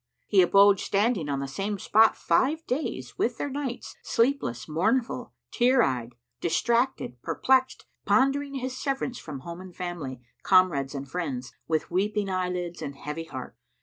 He abode standing on the same spot five days with their nights, sleepless, mournful, tearful eyed; distracted, perplexed, pondering his severance from home and family, comrades and friends, with weeping eye lids and heavy heart.